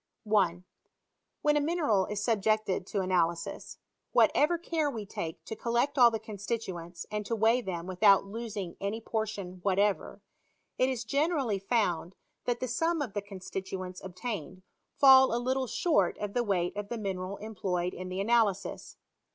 1. When a mineral is subjected to analysis, what ever care we take to collect all the constituents, and to weigh them without losing any portion what ever, it is generally found that the sum of the con stituents obtained fall a little short of the weight of the mineral employed in the analysis.